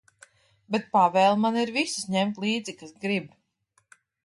Bet pavēle man ir visus ņemt līdzi, kas grib.